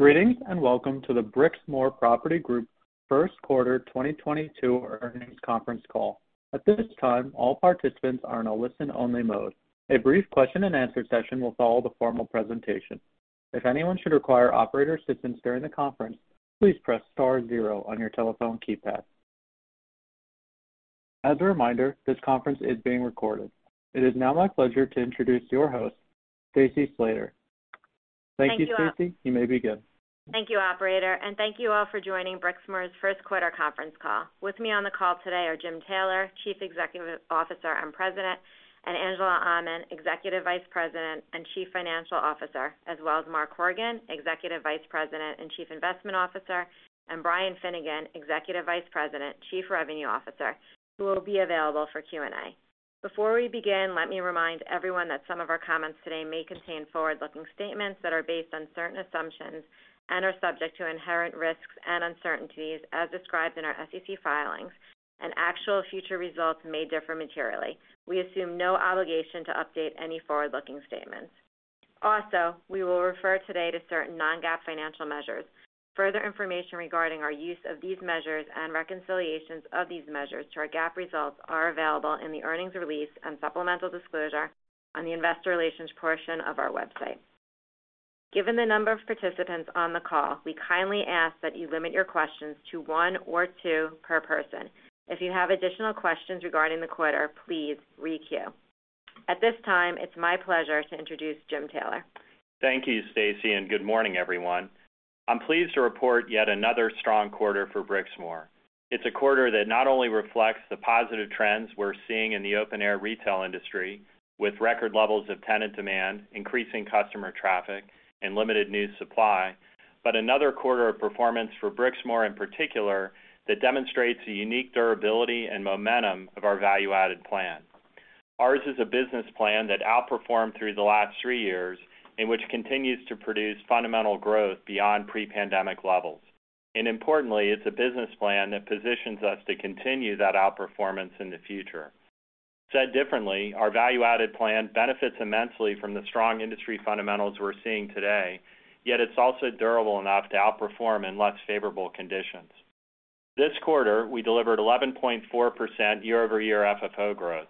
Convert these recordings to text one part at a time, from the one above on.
Greetings, and welcome to the Brixmor Property Group first quarter 2022 earnings conference call. At this time, all participants are in a listen-only mode. A brief question-and-answer session will follow the formal presentation. If anyone should require operator assistance during the conference, please press star zero on your telephone keypad. As a reminder, this conference is being recorded. It is now my pleasure to introduce your host, Stacy Slater. Thank you, Stacy. You may begin. Thank you, operator, and thank you all for joining Brixmor's first quarter conference call. With me on the call today are Jim Taylor, Chief Executive Officer and President, and Angela Aman, Executive Vice President and Chief Financial Officer, as well as Mark Horgan, Executive Vice President and Chief Investment Officer, and Brian Finnegan, Executive Vice President, Chief Revenue Officer, who will be available for Q&A. Before we begin, let me remind everyone that some of our comments today may contain forward-looking statements that are based on certain assumptions and are subject to inherent risks and uncertainties as described in our SEC filings, and actual future results may differ materially. We assume no obligation to update any forward-looking statements. Also, we will refer today to certain non-GAAP financial measures. Further information regarding our use of these measures and reconciliations of these measures to our GAAP results are available in the earnings release and supplemental disclosure on the investor relations portion of our website. Given the number of participants on the call, we kindly ask that you limit your questions to one or two per person. If you have additional questions regarding the quarter, please re-queue. At this time, it's my pleasure to introduce Jim Taylor. Thank you, Stacy, and good morning, everyone. I'm pleased to report yet another strong quarter for Brixmor. It's a quarter that not only reflects the positive trends we're seeing in the open air retail industry with record levels of tenant demand, increasing customer traffic, and limited new supply, but another quarter of performance for Brixmor in particular that demonstrates a unique durability and momentum of our value-added plan. Ours is a business plan that outperformed through the last three years in which continues to produce fundamental growth beyond pre-pandemic levels. Importantly, it's a business plan that positions us to continue that outperformance in the future. Said differently, our value-added plan benefits immensely from the strong industry fundamentals we're seeing today, yet it's also durable enough to outperform in less favorable conditions. This quarter, we delivered 11.4% year-over-year FFO growth,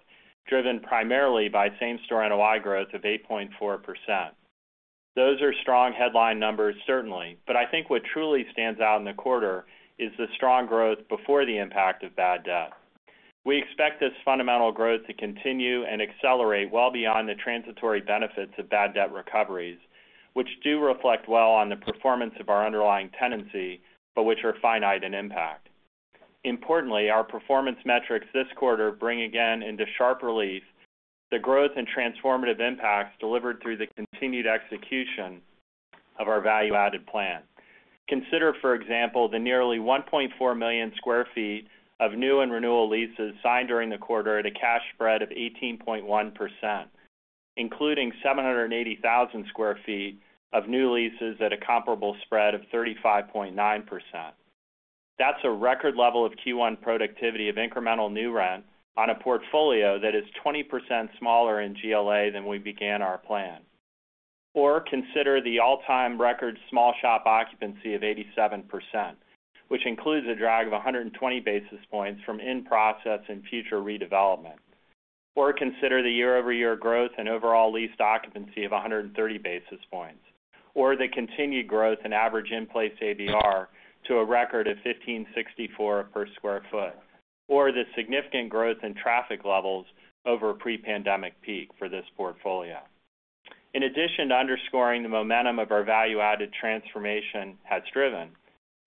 driven primarily by Same-Store NOI growth of 8.4%. Those are strong headline numbers certainly, but I think what truly stands out in the quarter is the strong growth before the impact of bad debt. We expect this fundamental growth to continue and accelerate well beyond the transitory benefits of bad debt recoveries, which do reflect well on the performance of our underlying tenancy, but which are finite in impact. Importantly, our performance metrics this quarter bring again into sharp relief the growth and transformative impacts delivered through the continued execution of our value-added plan. Consider, for example, the nearly 1.4 million sq ft of new and renewal leases signed during the quarter at a cash spread of 18.1%, including 780,000 sq ft of new leases at a comparable spread of 35.9%. That's a record level of Q1 productivity of incremental new rent on a portfolio that is 20% smaller in GLA than we began our plan. Consider the all-time record small shop occupancy of 87%, which includes a drag of 120 basis points from in-process and future redevelopment. Consider the year-over-year growth in overall leased occupancy of 130 basis points, or the continued growth in average in-place ABR to a record of 1,564 per sq ft, or the significant growth in traffic levels over a pre-pandemic peak for this portfolio. In addition to underscoring the momentum of our value-added transformation has driven,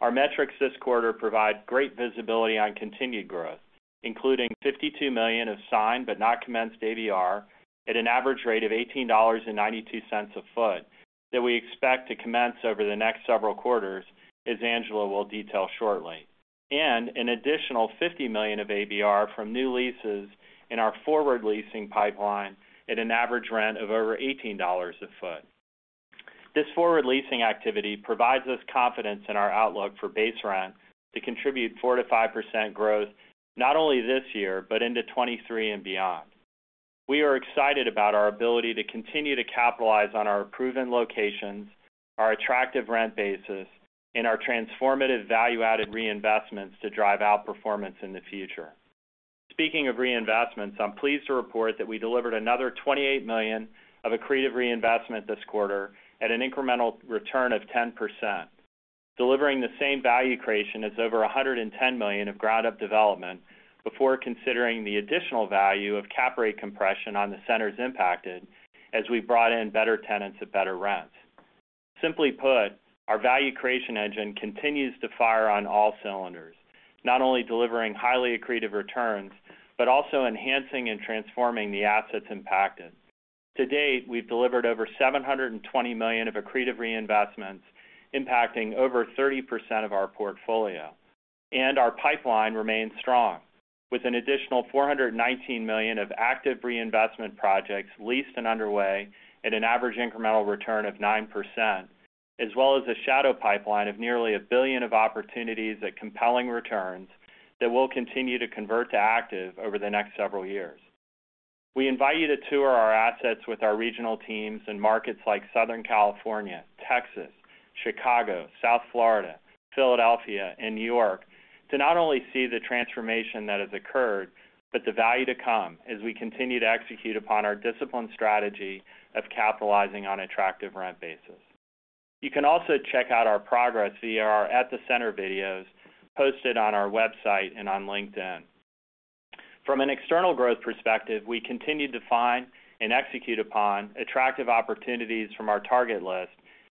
our metrics this quarter provide great visibility on continued growth, including $52 million of signed but not commenced ABR at an average rate of $18.92 a foot that we expect to commence over the next several quarters, as Angela will detail shortly. An additional $50 million of ABR from new leases in our forward leasing pipeline at an average rent of over $18 a foot. This forward leasing activity provides us confidence in our outlook for base rent to contribute 4% to 5% growth not only this year, but into 2023 and beyond. We are excited about our ability to continue to capitalize on our proven locations, our attractive rent basis, and our transformative value-added reinvestments to drive outperformance in the future. Speaking of reinvestments, I'm pleased to report that we delivered another $28 million of accretive reinvestment this quarter at an incremental return of 10%, delivering the same value creation as over $110 million of ground-up development before considering the additional value of cap rate compression on the centers impacted as we brought in better tenants at better rents. Simply put, our value creation engine continues to fire on all cylinders, not only delivering highly accretive returns, but also enhancing and transforming the assets impacted. To date, we've delivered over $720 million of accretive reinvestments impacting over 30% of our portfolio. Our pipeline remains strong with an additional $419 million of active reinvestment projects leased and underway at an average incremental return of 9%, as well as a shadow pipeline of nearly $1 billion of opportunities at compelling returns that will continue to convert to active over the next several years. We invite you to tour our assets with our regional teams in markets like Southern California, Texas, Chicago, South Florida, Philadelphia, and New York to not only see the transformation that has occurred, but the value to come as we continue to execute upon our disciplined strategy of capitalizing on attractive rent basis. You can also check out our progress via our At The Center videos posted on our website and on LinkedIn. From an external growth perspective, we continue to find and execute upon attractive opportunities from our target list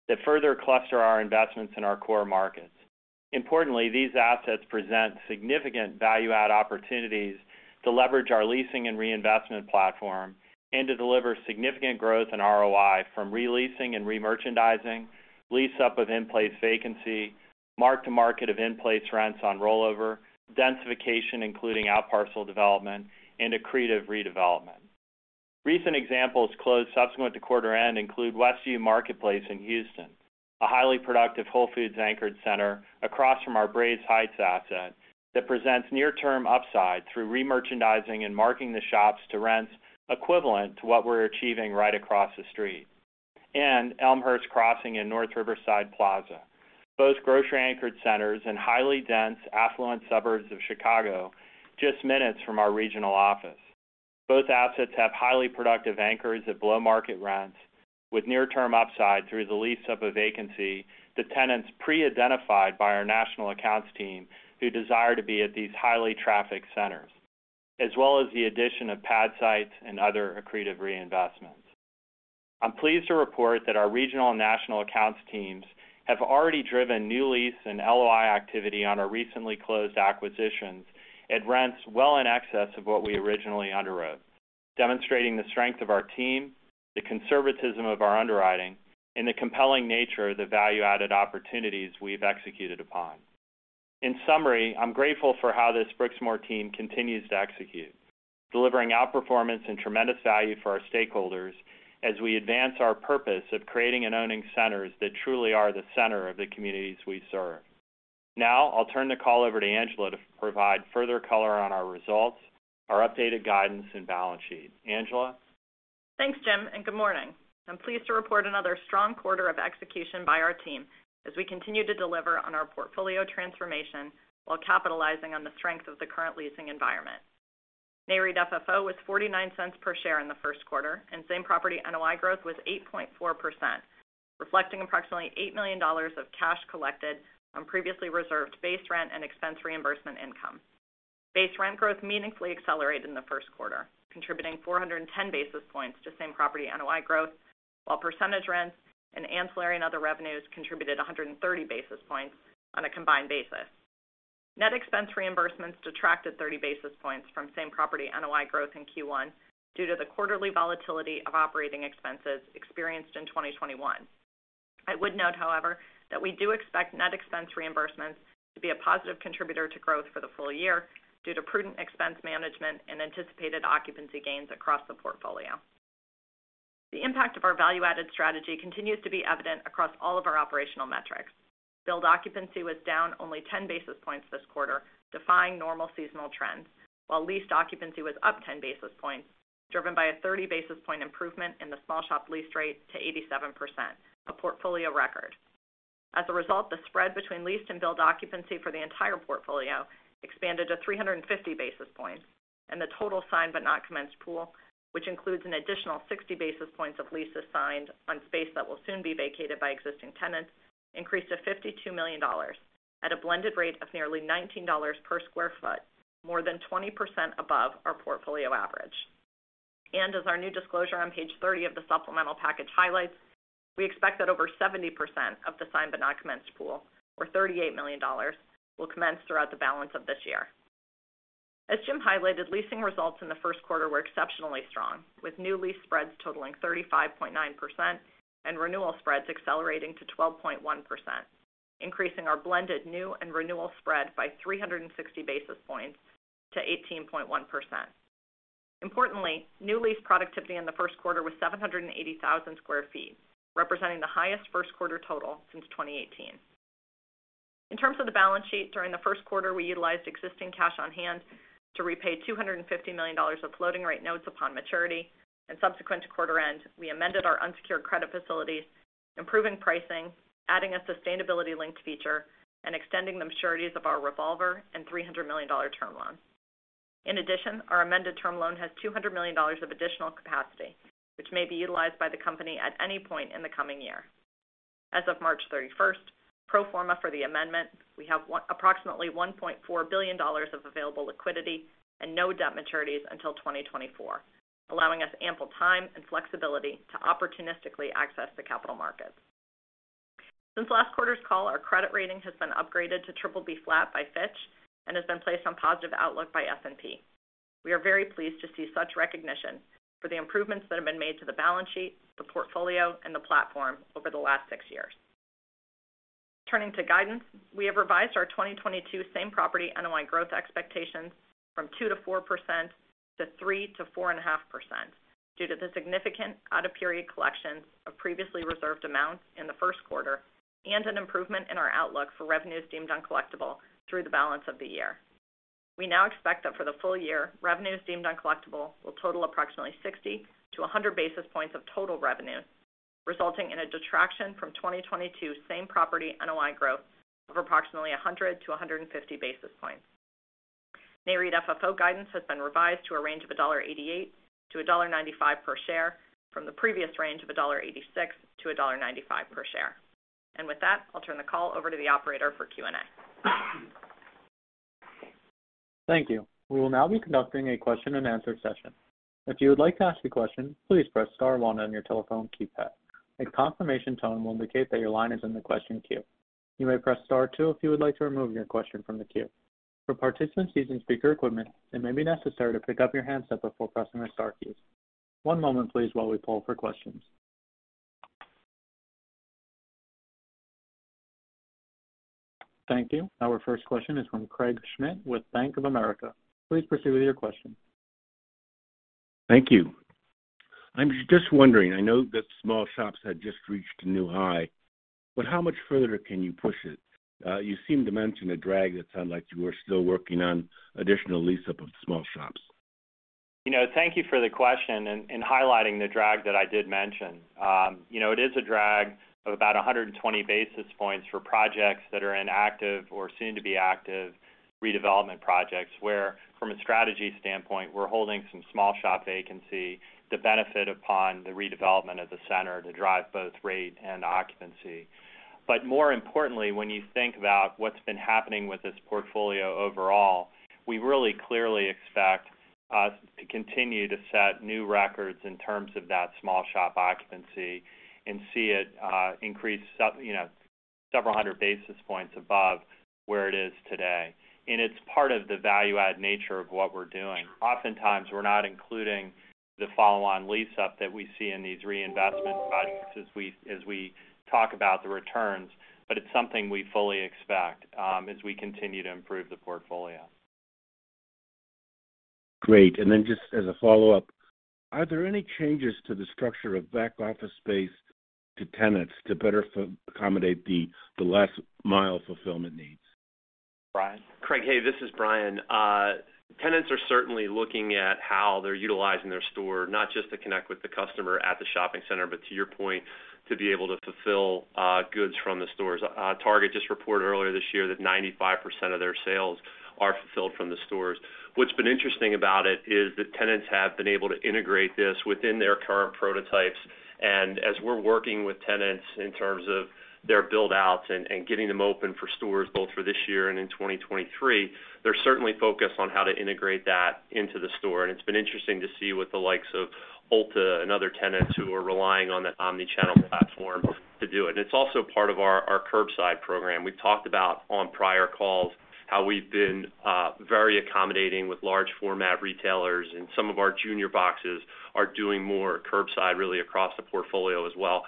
that further cluster our investments in our core markets. Importantly, these assets present significant value-add opportunities to leverage our leasing and reinvestment platform and to deliver significant growth in ROI from re-leasing and re-merchandising, lease up of in-place vacancy, mark-to-market of in-place rents on rollover, densification, including out-parcel development, and accretive redevelopment. Recent examples closed subsequent to quarter end include West U Marketplace in Houston, a highly productive Whole Foods-anchored center across from our Braes Heights asset that presents near-term upside through re-merchandising and marking the shops to rents equivalent to what we're achieving right across the street. Elmhurst Crossing in North Riverside Plaza. Both grocery anchored centers in highly dense, affluent suburbs of Chicago, just minutes from our regional office. Both assets have highly productive anchors at below-market rents with near-term upside through the lease of a vacancy to tenants pre-identified by our national accounts team who desire to be at these highly trafficked centers, as well as the addition of pad sites and other accretive reinvestments. I'm pleased to report that our regional and national accounts teams have already driven new lease and NOI activity on our recently closed acquisitions at rents well in excess of what we originally underwrote, demonstrating the strength of our team, the conservatism of our underwriting, and the compelling nature of the value-added opportunities we have executed upon. In summary, I'm grateful for how this Brixmor team continues to execute, delivering outperformance and tremendous value for our stakeholders as we advance our purpose of creating and owning centers that truly are the center of the communities we serve. Now, I'll turn the call over to Angela to provide further color on our results, our updated guidance, and balance sheet. Angela? Thanks, Jim, and good morning. I'm pleased to report another strong quarter of execution by our team as we continue to deliver on our portfolio transformation while capitalizing on the strength of the current leasing environment. Nareit FFO was $0.49 per share in the first quarter, and same-property NOI growth was 8.4%, reflecting approximately $8 million of cash collected on previously reserved base rent and expense reimbursement income. Base rent growth meaningfully accelerated in the first quarter, contributing 410 basis points to same-property NOI growth, while percentage rents and ancillary and other revenues contributed 130 basis points on a combined basis. Net expense reimbursements detracted 30 basis points from same-property NOI growth in Q1 due to the quarterly volatility of operating expenses experienced in 2021. I would note, however, that we do expect net expense reimbursements to be a positive contributor to growth for the full year due to prudent expense management and anticipated occupancy gains across the portfolio. The impact of our value-added strategy continues to be evident across all of our operational metrics. Billed occupancy was down only 10 basis points this quarter, defying normal seasonal trends, while leased occupancy was up 10 basis points, driven by a 30 basis point improvement in the small shop lease rate to 87%, a portfolio record. As a result, the spread between leased and billed occupancy for the entire portfolio expanded to 350 basis points, and the total signed-but-not-commenced pool, which includes an additional 60 basis points of leases signed on space that will soon be vacated by existing tenants, increased to $52 million at a blended rate of nearly $19 per square foot, more than 20% above our portfolio average. As our new disclosure on page 30 of the supplemental package highlights, we expect that over 70% of the signed-but-not-commenced pool or $38 million will commence throughout the balance of this year. As Jim highlighted, leasing results in the first quarter were exceptionally strong, with new lease spreads totaling 35.9% and renewal spreads accelerating to 12.1%, increasing our blended new and renewal spread by 360 basis points to 18.1%. Importantly, new lease productivity in the first quarter was 780,000 sq ft, representing the highest first quarter total since 2018. In terms of the balance sheet, during the first quarter, we utilized existing cash on hand to repay $250 million of floating-rate notes upon maturity. Subsequent to quarter end, we amended our unsecured credit facilities, improving pricing, adding a sustainability-linked feature, and extending the maturities of our revolver and $300 million term loan. In addition, our amended term loan has $200 million of additional capacity, which may be utilized by the company at any point in the coming year. As of March 31st, pro forma for the amendment, we have approximately $1.4 billion of available liquidity and no debt maturities until 2024, allowing us ample time and flexibility to opportunistically access the capital markets. Since last quarter's call, our credit rating has been upgraded to BBB flat by Fitch and has been placed on positive outlook by S&P. We are very pleased to see such recognition for the improvements that have been made to the balance sheet, the portfolio, and the platform over the last six years. Turning to guidance, we have revised our 2022 same-property NOI growth expectations from 2%-4% to 3%-4.5%. Due to the significant out-of-period collections of previously reserved amounts in the first quarter, and an improvement in our outlook for revenues deemed uncollectible through the balance of the year. We now expect that for the full year, revenues deemed uncollectible will total approximately 60-100 basis points of total revenue, resulting in a detraction from 2022 same-property NOI growth of approximately 100-150 basis points. Nareit FFO guidance has been revised to a range of $1.88-$1.95 per share, from the previous range of $1.86-$1.95 per share. With that, I'll turn the call over to the operator for Q&A. Thank you. We will now be conducting a question-and-answer session. If you would like to ask a question, please press star one on your telephone keypad. A confirmation tone will indicate that your line is in the question queue. You may press star two if you would like to remove your question from the queue. For participants using speaker equipment, it may be necessary to pick up your handset before pressing the star keys. One moment, please, while we poll for questions. Thank you. Our first question is from Craig Schmidt with Bank of America. Please proceed with your question. Thank you. I'm just wondering, I know that small shops had just reached a new high, but how much further can you push it? You seem to mention a drag that sounded like you were still working on additional lease-up of small shops. You know, thank you for the question and highlighting the drag that I did mention. You know, it is a drag of about 100 basis points for projects that are in active or soon to be active redevelopment projects, where from a strategy standpoint, we're holding some small shop vacancy to benefit upon the redevelopment of the center to drive both rate and occupancy. But more importantly, when you think about what's been happening with this portfolio overall, we really clearly expect us to continue to set new records in terms of that small shop occupancy and see it increase several hundred basis points above where it is today. It's part of the value add nature of what we're doing. Oftentimes, we're not including the follow-on lease up that we see in these reinvestment projects as we talk about the returns, but it's something we fully expect as we continue to improve the portfolio. Great. Just as a follow-up, are there any changes to the structure of back-office space to tenants to better accommodate the last mile fulfillment needs? Brian? Craig, hey, this is Brian. Tenants are certainly looking at how they're utilizing their store, not just to connect with the customer at the shopping center, but to your point, to be able to fulfill goods from the stores. Target just reported earlier this year that 95% of their sales are fulfilled from the stores. What's been interesting about it is that tenants have been able to integrate this within their current prototypes. As we're working with tenants in terms of their build-outs and getting them open for stores both for this year and in 2023, they're certainly focused on how to integrate that into the store. It's been interesting to see with the likes of Ulta and other tenants who are relying on the omnichannel platform to do it. It's also part of our curbside program. We've talked about on prior calls how we've been very accommodating with large format retailers, and some of our junior boxes are doing more curbside really across the portfolio as well.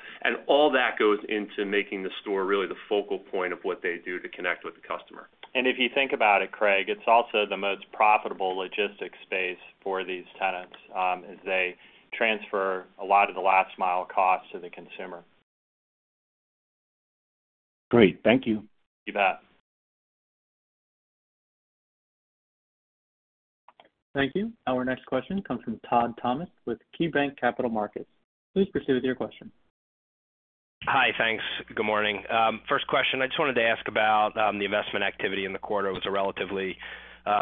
All that goes into making the store really the focal point of what they do to connect with the customer. If you think about it, Craig, it's also the most profitable logistics space for these tenants, as they transfer a lot of the last mile cost to the consumer. Great. Thank you. You bet. Thank you. Our next question comes from Todd Thomas with KeyBanc Capital Markets. Please proceed with your question. Hi. Thanks. Good morning. First question, I just wanted to ask about the investment activity in the quarter. It was a relatively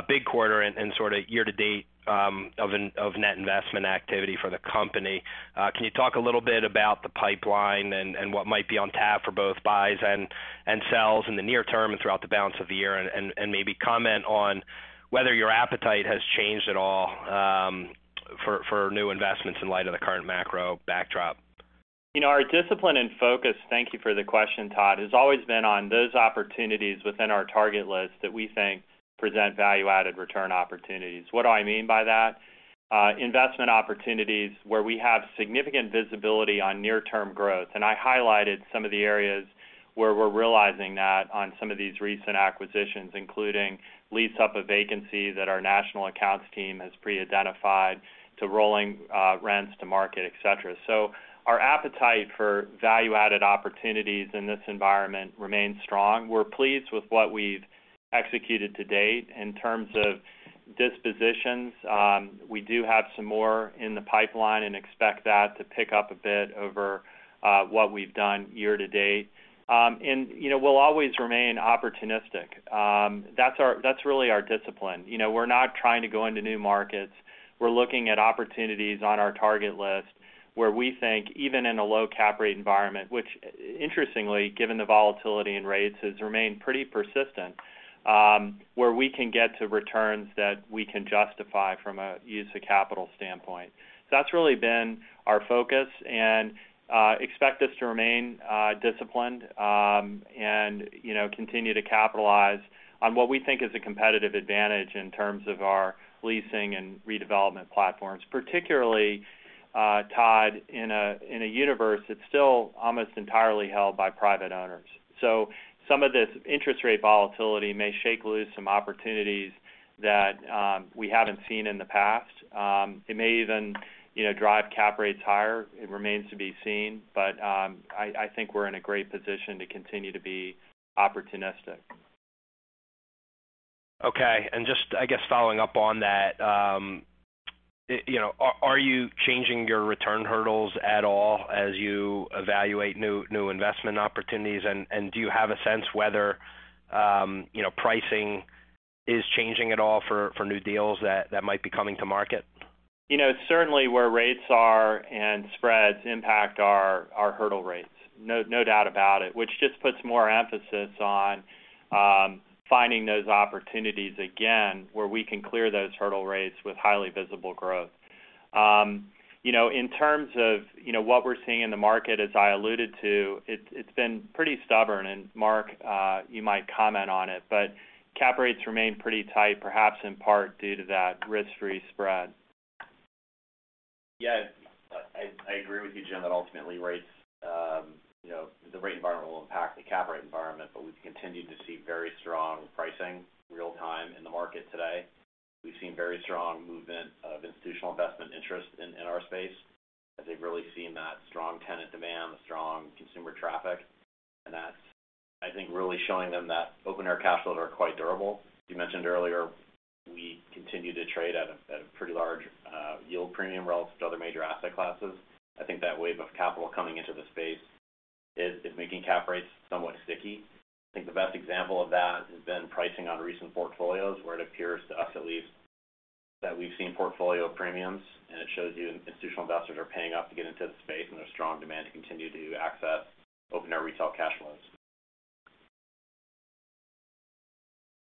big quarter and sort of year to date of net investment activity for the company. Can you talk a little bit about the pipeline and what might be on tap for both buys and sells in the near term and throughout the balance of the year, and maybe comment on whether your appetite has changed at all for new investments in light of the current macro backdrop? You know, our discipline and focus, thank you for the question, Todd, has always been on those opportunities within our target list that we think present value-added return opportunities. What do I mean by that? Investment opportunities where we have significant visibility on near-term growth. I highlighted some of the areas where we're realizing that on some of these recent acquisitions, including lease up a vacancy that our national accounts team has pre-identified to rolling rents to market, et cetera. Our appetite for value-added opportunities in this environment remains strong. We're pleased with what we've executed to date. In terms of dispositions, we do have some more in the pipeline and expect that to pick up a bit over what we've done year-to-date. You know, we'll always remain opportunistic. That's really our discipline. You know, we're not trying to go into new markets. We're looking at opportunities on our target list where we think even in a low cap rate environment, which interestingly, given the volatility in rates, has remained pretty persistent, where we can get to returns that we can justify from a use of capital standpoint. That's really been our focus, and expect us to remain disciplined, and, you know, continue to capitalize on what we think is a competitive advantage in terms of our leasing and redevelopment platforms. Particularly, Todd, in a universe that's still almost entirely held by private owners. Some of this interest rate volatility may shake loose some opportunities that we haven't seen in the past. It may even, you know, drive cap rates higher. It remains to be seen. I think we're in a great position to continue to be opportunistic. Okay. Just I guess following up on that, you know, are you changing your return hurdles at all as you evaluate new investment opportunities? Do you have a sense whether, you know, pricing is changing at all for new deals that might be coming to market? You know, certainly where rates are and spreads impact our hurdle rates. No doubt about it, which just puts more emphasis on finding those opportunities again where we can clear those hurdle rates with highly visible growth. You know, in terms of what we're seeing in the market, as I alluded to, it's been pretty stubborn. Mark, you might comment on it, but cap rates remain pretty tight, perhaps in part due to that risk-free spread. Yeah. I agree with you, Jim, that ultimately rates, you know, the rate environment will impact the cap rate environment, but we've continued to see very strong pricing in real time in the market today. We've seen very strong movement of institutional investment interest in our space as they've really seen that strong tenant demand, the strong consumer traffic. That's, I think, really showing them that open-air cash flows are quite durable. You mentioned earlier, we continue to trade at a pretty large yield premium relative to other major asset classes. I think that wave of capital coming into the space is making cap rates somewhat sticky. I think the best example of that has been pricing on recent portfolios, where it appears, to us at least, that we've seen portfolio premiums, and it shows you institutional investors are paying up to get into the space, and there's strong demand to continue to access open-air retail cash flows.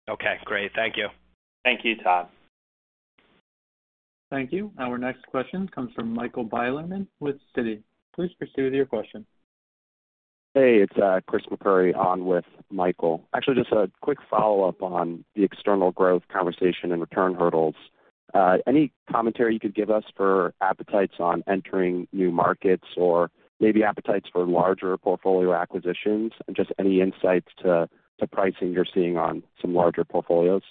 Okay, great. Thank you. Thank you, Todd. Thank you. Our next question comes from Michael Bilerman with Citi. Please proceed with your question. Hey, it's Chris McCurry on with Michael. Actually, just a quick follow-up on the external growth conversation and return hurdles. Any commentary you could give us for appetites on entering new markets or maybe appetites for larger portfolio acquisitions and just any insights to pricing you're seeing on some larger portfolios?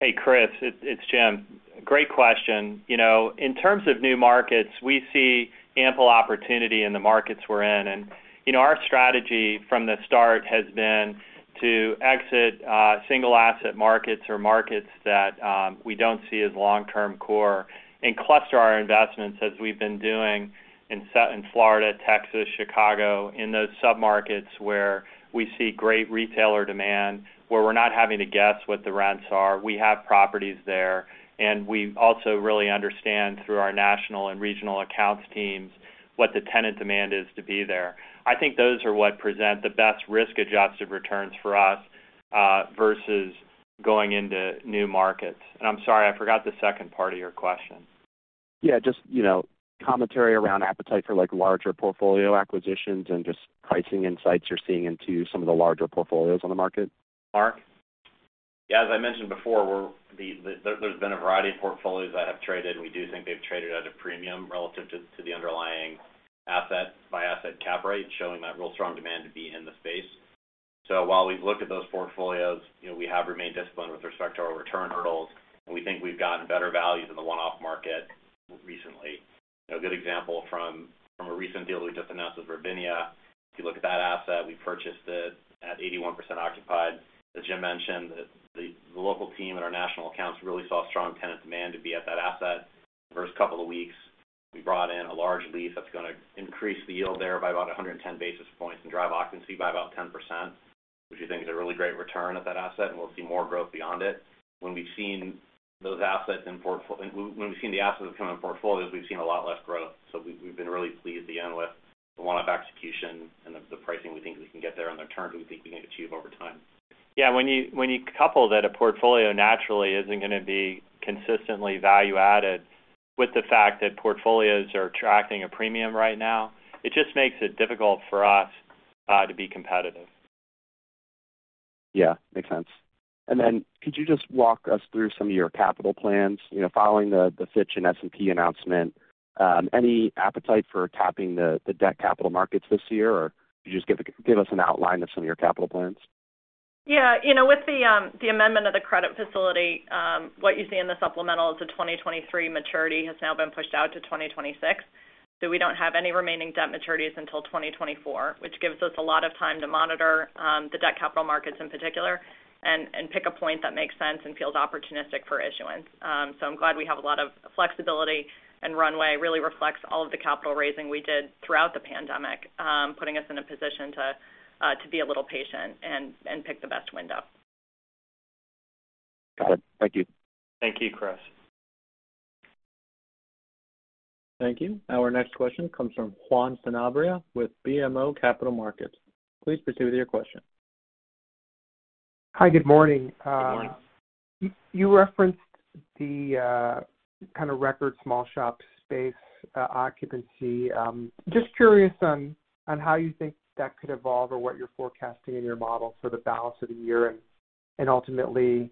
Hey, Chris, it's Jim. Great question. You know, in terms of new markets, we see ample opportunity in the markets we're in. You know, our strategy from the start has been to exit single asset markets or markets that we don't see as long-term core and cluster our investments as we've been doing in Florida, Texas, Chicago, in those sub-markets where we see great retailer demand, where we're not having to guess what the rents are. We have properties there. We also really understand through our national and regional accounts teams what the tenant demand is to be there. I think those are what present the best risk-adjusted returns for us versus going into new markets. I'm sorry, I forgot the second part of your question. Yeah, just, you know, commentary around appetite for, like, larger portfolio acquisitions and just pricing insights you're seeing into some of the larger portfolios on the market. Mark? Yeah. As I mentioned before, there's been a variety of portfolios that have traded, and we do think they've traded at a premium relative to the underlying asset by asset cap rate, showing that really strong demand to be in the space. While we've looked at those portfolios, you know, we have remained disciplined with respect to our return hurdles, and we think we've gotten better value than the one-off market recently. A good example from a recent deal we just announced with Ravinia. If you look at that asset, we purchased it at 81% occupied. As Jim mentioned, the local team and our national accounts really saw strong tenant demand to be at that asset. First couple of weeks, we brought in a large lease that's gonna increase the yield there by about 110 basis points and drive occupancy by about 10%, which we think is a really great return of that asset, and we'll see more growth beyond it. When we've seen those assets in portfolios, we've seen a lot less growth. We've been really pleased again with the one-off execution and the pricing we think we can get there and the returns we think we can achieve over time. Yeah. When you couple that, a portfolio naturally isn't gonna be consistently value added with the fact that portfolios are attracting a premium right now, it just makes it difficult for us to be competitive. Yeah, makes sense. Then could you just walk us through some of your capital plans? You know, following the Fitch and S&P announcement, any appetite for tapping the debt capital markets this year, or could you just give us an outline of some of your capital plans? Yeah. You know, with the amendment of the credit facility, what you see in the supplemental is the 2023 maturity has now been pushed out to 2026. We don't have any remaining debt maturities until 2024, which gives us a lot of time to monitor the debt capital markets in particular and pick a point that makes sense and feels opportunistic for issuance. I'm glad we have a lot of flexibility, and runway really reflects all of the capital raising we did throughout the pandemic, putting us in a position to be a little patient and pick the best window. Got it. Thank you. Thank you, Chris. Thank you. Our next question comes from Juan Sanabria with BMO Capital Markets. Please proceed with your question. Hi, good morning. Good morning. You referenced the kind of record small shop space occupancy. Just curious on how you think that could evolve or what you're forecasting in your model for the balance of the year and ultimately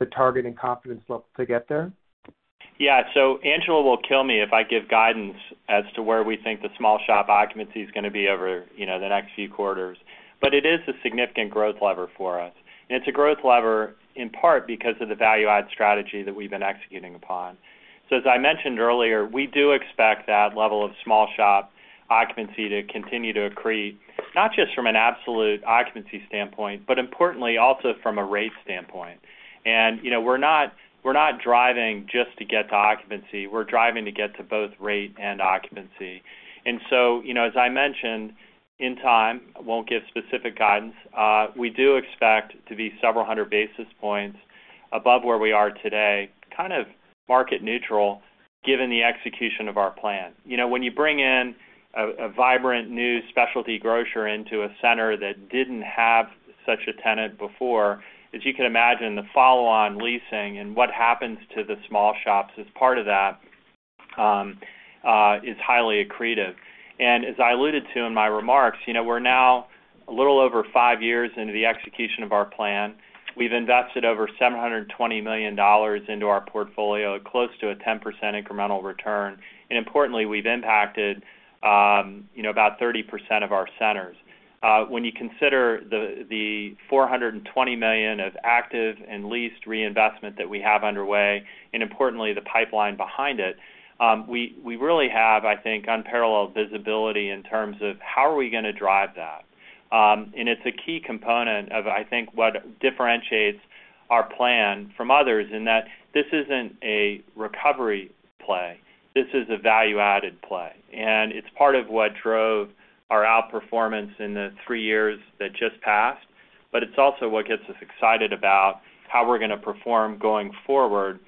the target and confidence level to get there. Yeah. Angela will kill me if I give guidance as to where we think the small shop occupancy is gonna be over, you know, the next few quarters. It is a significant growth lever for us. It's a growth lever in part because of the value add strategy that we've been executing upon. As I mentioned earlier, we do expect that level of small shop occupancy to continue to accrete, not just from an absolute occupancy standpoint, but importantly also from a rate standpoint. You know, we're not driving just to get to occupancy, we're driving to get to both rate and occupancy. You know, as I mentioned, in time, I won't give specific guidance, we do expect to be several hundred basis points above where we are today, kind of market neutral given the execution of our plan. You know, when you bring in a vibrant new specialty grocer into a center that didn't have such a tenant before, as you can imagine, the follow-on leasing and what happens to the small shops as part of that is highly accretive. As I alluded to in my remarks, you know, we're now a little over five years into the execution of our plan. We've invested over $720 million into our portfolio at close to a 10% incremental return. Importantly, we've impacted, you know, about 30% of our centers. When you consider the $420 million of active and leased reinvestment that we have underway, and importantly, the pipeline behind it, we really have, I think, unparalleled visibility in terms of how are we gonna drive that. It's a key component of, I think, what differentiates our plan from others, in that this isn't a recovery play, this is a value-added play. It's part of what drove our outperformance in the three years that just passed, but it's also what gets us excited about how we're gonna perform going forward,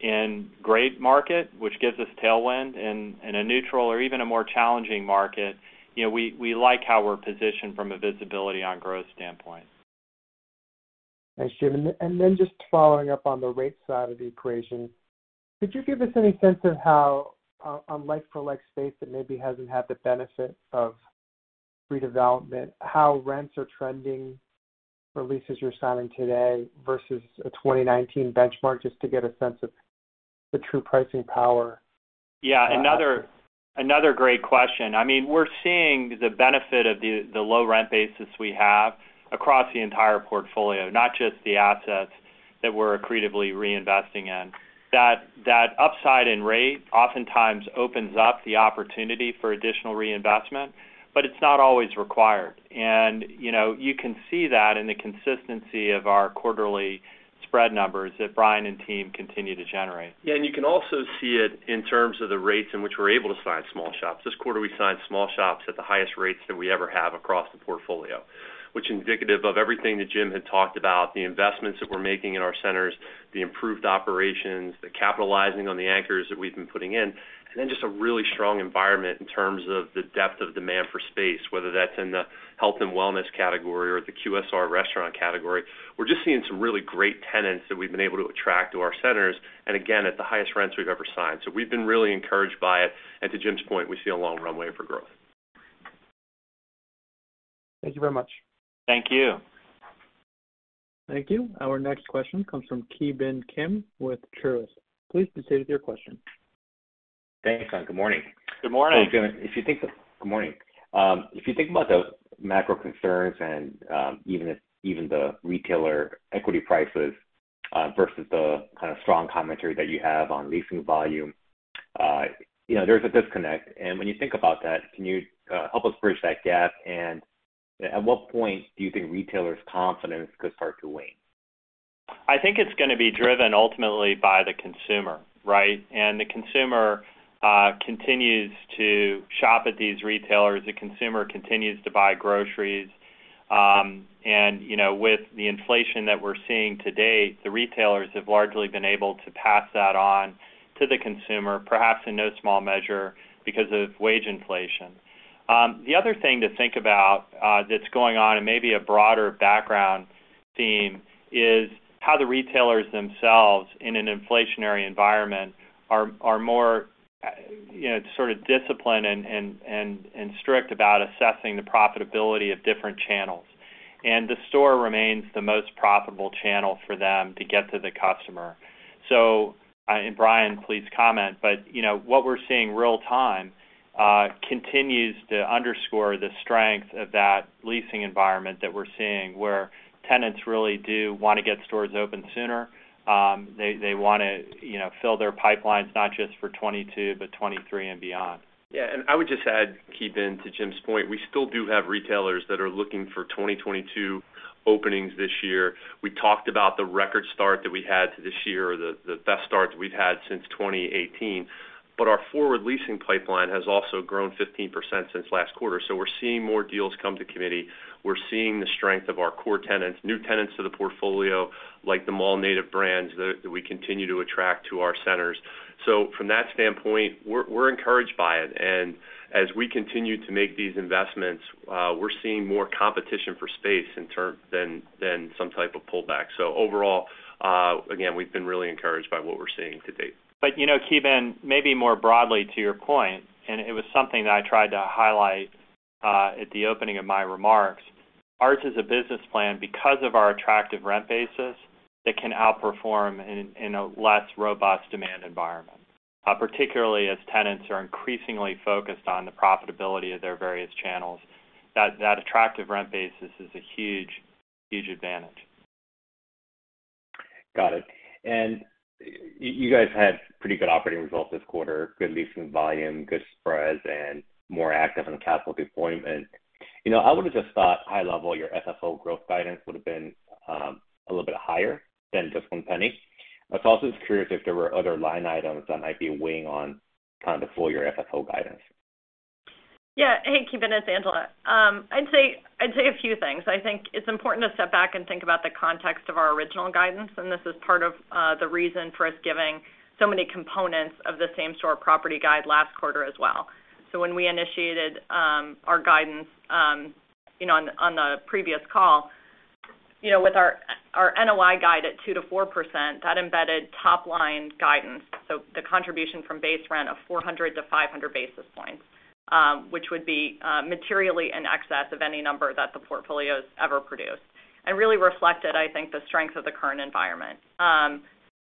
in a great market, which gives us tailwind in a neutral or even a more challenging market. You know, we like how we're positioned from a visibility on growth standpoint. Thanks, Jim. Just following up on the rate side of the equation. Could you give us any sense of how on like-for-like space that maybe hasn't had the benefit of redevelopment, how rents are trending for leases you're signing today versus a 2019 benchmark, just to get a sense of the true pricing power? Yeah. Another great question. I mean, we're seeing the benefit of the low rent basis we have across the entire portfolio, not just the assets that we're accretively reinvesting in. That upside in rate oftentimes opens up the opportunity for additional reinvestment, but it's not always required. You know, you can see that in the consistency of our quarterly spread numbers that Brian and team continue to generate. Yeah. You can also see it in terms of the rates in which we're able to sign small shops. This quarter, we signed small shops at the highest rates that we ever have across the portfolio, which indicative of everything that Jim had talked about, the investments that we're making in our centers, the improved operations, the capitalizing on the anchors that we've been putting in, and then just a really strong environment in terms of the depth of demand for space, whether that's in the health and wellness category or the QSR restaurant category. We're just seeing some really great tenants that we've been able to attract to our centers, and again, at the highest rents we've ever signed. So we've been really encouraged by it. To Jim's point, we see a long runway for growth. Thank you very much. Thank you. Thank you. Our next question comes from Ki Bin Kim with Truist. Please proceed with your question. Thanks, and good morning. Good morning. If you think about the macro concerns and, even the retailer equity prices, versus the kind of strong commentary that you have on leasing volume, you know, there's a disconnect. When you think about that, can you help us bridge that gap? At what point do you think retailers' confidence could start to wane? I think it's gonna be driven ultimately by the consumer, right? The consumer continues to shop at these retailers, the consumer continues to buy groceries. You know, with the inflation that we're seeing to date, the retailers have largely been able to pass that on to the consumer, perhaps in no small measure because of wage inflation. The other thing to think about, that's going on, and maybe a broader background theme, is how the retailers themselves, in an inflationary environment, are more, you know, sort of disciplined and strict about assessing the profitability of different channels. The store remains the most profitable channel for them to get to the customer. Brian, please comment, but you know, what we're seeing real time continues to underscore the strength of that leasing environment that we're seeing, where tenants really do wanna get stores open sooner. They wanna, you know, fill their pipelines not just for 2022, but 2023 and beyond. Yeah. I would just add, Ki Bin, to Jim's point, we still do have retailers that are looking for 2022 openings this year. We talked about the record start that we had to this year, the best start we've had since 2018. Our forward leasing pipeline has also grown 15% since last quarter. We're seeing more deals come to committee. We're seeing the strength of our core tenants, new tenants to the portfolio, like the mall native brands that we continue to attract to our centers. From that standpoint, we're encouraged by it. As we continue to make these investments, we're seeing more competition for space than some type of pullback. Overall, again, we've been really encouraged by what we're seeing to date. You know, Ki Bin, maybe more broadly to your point, and it was something that I tried to highlight at the opening of my remarks. Ours is a business plan because of our attractive rent basis that can outperform in a less robust demand environment. Particularly as tenants are increasingly focused on the profitability of their various channels. That attractive rent basis is a huge advantage. Got it. You guys had pretty good operating results this quarter, good leasing volume, good spreads, and more active in capital deployment. You know, I would've just thought high level, your FFO growth guidance would've been a little bit higher than just $0.01. I was also just curious if there were other line items that might be weighing on kind of the full year FFO guidance. Yeah. Hey, Ki Bin Kim, it's Angela. I'd say a few things. I think it's important to step back and think about the context of our original guidance, and this is part of the reason for us giving so many components of the same-store property guide last quarter as well. When we initiated our guidance, you know, on the previous call, you know, with our NOI guide at 2%-4%, that embedded top-line guidance. The contribution from base rent of 400-500 basis points, which would be materially in excess of any number that the portfolio's ever produced. Really reflected, I think, the strength of the current environment.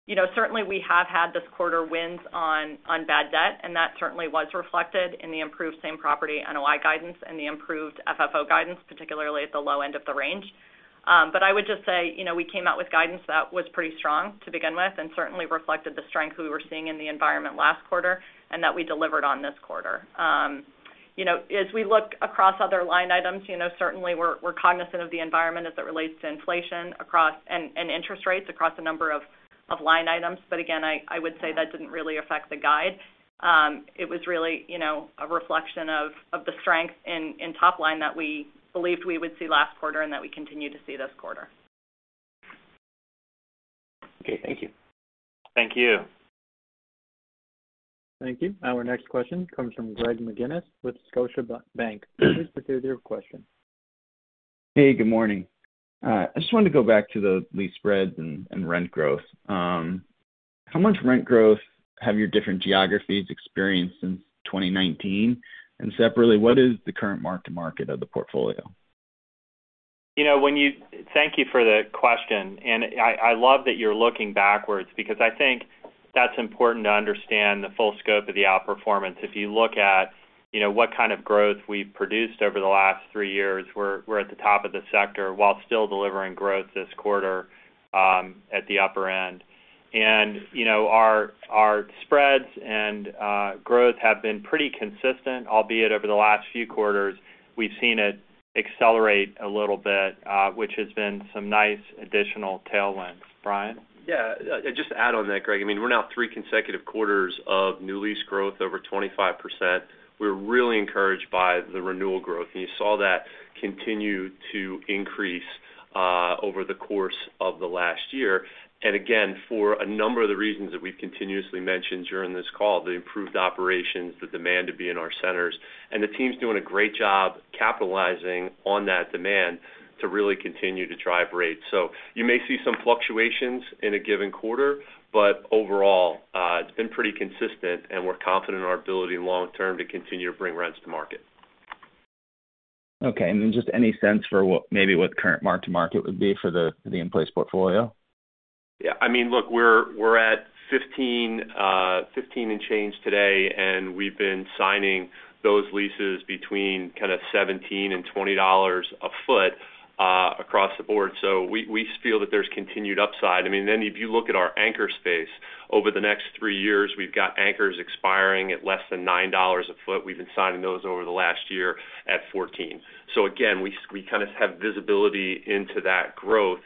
You know, certainly we have had this quarter wins on bad debt, and that certainly was reflected in the improved same-property NOI guidance and the improved FFO guidance, particularly at the low end of the range. I would just say, you know, we came out with guidance that was pretty strong to begin with, and certainly reflected the strength we were seeing in the environment last quarter and that we delivered on this quarter. You know, as we look across other line items, you know, certainly we're cognizant of the environment as it relates to inflation across, and interest rates across a number of line items. Again, I would say that didn't really affect the guide. It was really, you know, a reflection of the strength in top line that we believed we would see last quarter and that we continue to see this quarter. Okay, thank you. Thank you. Thank you. Our next question comes from Greg McGinniss with Scotiabank. Please proceed with your question. Hey, good morning. I just wanted to go back to the lease spreads and rent growth. How much rent growth have your different geographies experienced since 2019? Separately, what is the current mark-to-market of the portfolio? Thank you for the question, and I love that you're looking backwards because I think that's important to understand the full scope of the outperformance. If you look at, you know, what kind of growth we've produced over the last three years, we're at the top of the sector while still delivering growth this quarter at the upper end. You know, our spreads and growth have been pretty consistent, albeit over the last few quarters, we've seen it accelerate a little bit, which has been some nice additional tailwinds. Brian? Yeah. Just to add on that, Greg. I mean, we're now three consecutive quarters of new lease growth, over 25%. We're really encouraged by the renewal growth, and you saw that continue to increase, over the course of the last year. Again, for a number of the reasons that we've continuously mentioned during this call, the improved operations, the demand to be in our centers, and the team's doing a great job capitalizing on that demand to really continue to drive rates. You may see some fluctuations in a given quarter, but overall, it's been pretty consistent, and we're confident in our ability long term to continue to bring rents to market. Okay. Just any sense for what maybe what the current mark-to-market would be for the in-place portfolio? Yeah. I mean, look, we're at $15 and change today, and we've been signing those leases between kinda $17-$20 a foot across the board. We feel that there's continued upside. I mean, then if you look at our anchor space over the next three years, we've got anchors expiring at less than $9 a foot. We've been signing those over the last year at $14. Again, we kind of have visibility into that growth.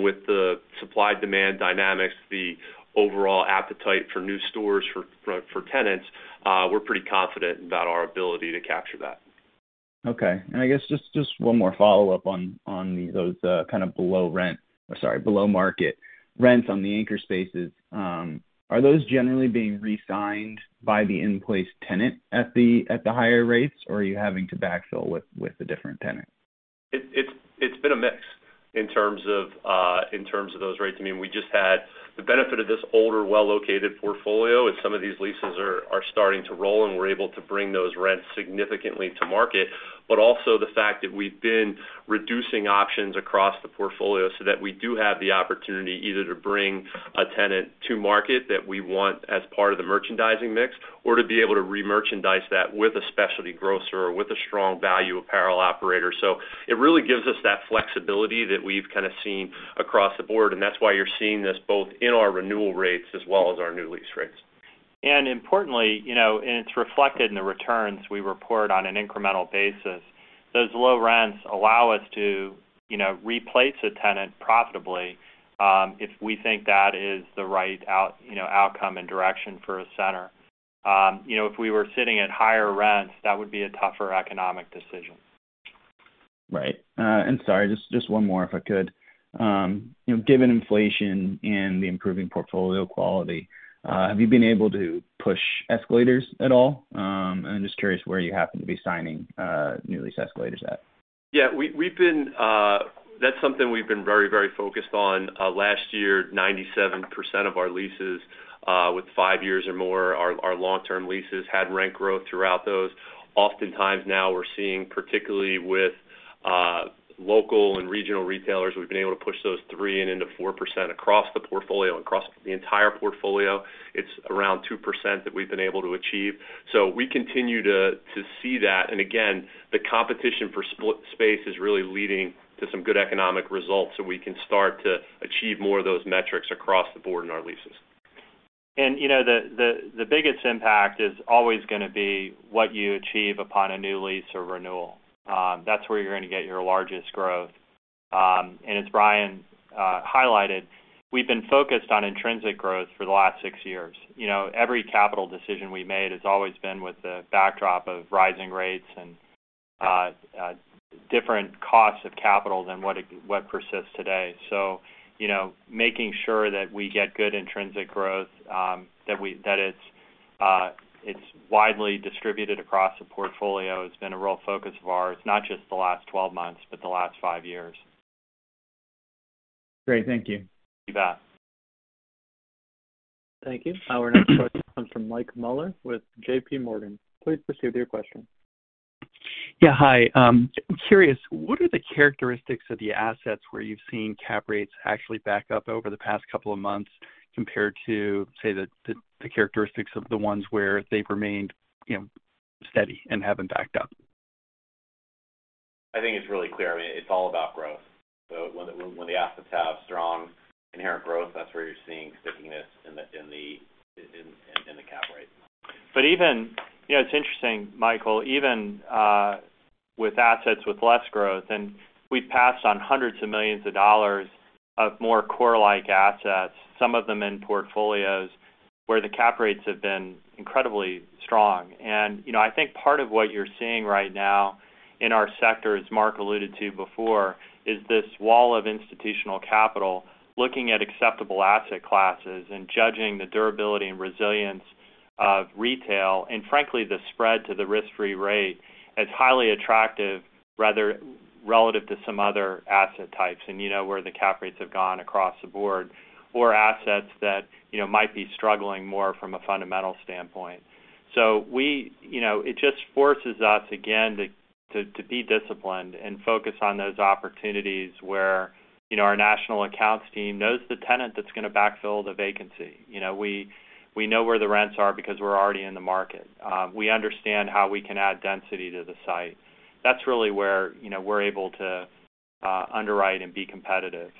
With the supply-demand dynamics, the overall appetite for new stores for tenants, we're pretty confident about our ability to capture that. Okay. I guess just one more follow-up on those kind of below market rents on the anchor spaces. Are those generally being re-signed by the in-place tenant at the higher rates, or are you having to backfill with a different tenant? It's been a mix in terms of those rates. I mean, we just had the benefit of this older, well-located portfolio, and some of these leases are starting to roll, and we're able to bring those rents significantly to market. Also the fact that we've been reducing options across the portfolio so that we do have the opportunity either to bring a tenant to market that we want as part of the merchandising mix or to be able to re-merchandise that with a specialty grocer or with a strong value apparel operator. It really gives us that flexibility that we've kind of seen across the board, and that's why you're seeing this both in our renewal rates as well as our new lease rates. Importantly, you know, and it's reflected in the returns we report on an incremental basis, those low rents allow us to, you know, replace a tenant profitably, if we think that is the right outcome and direction for a center. You know, if we were sitting at higher rents, that would be a tougher economic decision. Right. Sorry, just one more, if I could. You know, given inflation and the improving portfolio quality, have you been able to push escalators at all? I'm just curious where you happen to be signing new lease escalators at. Yeah. We've been very, very focused on that. That's something we've been very, very focused on. Last year, 97% of our leases with five years or more are long-term leases had rent growth throughout those. Oftentimes now we're seeing, particularly with local and regional retailers, we've been able to push those 3% and into 4% across the portfolio. Across the entire portfolio, it's around 2% that we've been able to achieve. So we continue to see that. Again, the competition for split space is really leading to some good economic results, so we can start to achieve more of those metrics across the board in our leases. You know, the biggest impact is always gonna be what you achieve upon a new lease or renewal. That's where you're gonna get your largest growth. As Brian highlighted, we've been focused on intrinsic growth for the last six years. You know, every capital decision we made has always been with the backdrop of rising rates and different costs of capital than what persists today. You know, making sure that we get good intrinsic growth, that it's widely distributed across the portfolio has been a real focus of ours, not just the last twelve months, but the last five years. Great. Thank you. You bet. Thank you. Our next question comes from Mike Mueller with J.P. Morgan. Please proceed with your question. Yeah, hi. I'm curious, what are the characteristics of the assets where you've seen cap rates actually back up over the past couple of months compared to, say, the characteristics of the ones where they've remained, you know, steady and haven't backed up? I think it's really clear. I mean, it's all about growth. When the assets have strong inherent growth, that's where you're seeing stickiness in the cap rate. You know, it's interesting, Michael, even with assets with less growth, and we've passed on hundreds of millions of dollars of more core-like assets, some of them in portfolios where the cap rates have been incredibly strong. You know, I think part of what you're seeing right now in our sector, as Mark alluded to before, is this wall of institutional capital looking at acceptable asset classes and judging the durability and resilience of retail, and frankly, the spread to the risk-free rate as highly attractive relative to some other asset types, and you know where the cap rates have gone across the board, or assets that, you know, might be struggling more from a fundamental standpoint. You know, it just forces us, again, to be disciplined and focus on those opportunities where, you know, our national accounts team knows the tenant that's gonna backfill the vacancy. You know, we know where the rents are because we're already in the market. We understand how we can add density to the site. That's really where, you know, we're able to underwrite and be competitive.